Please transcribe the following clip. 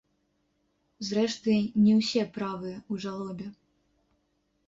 Зрэшты, не ўсе правыя ў жалобе.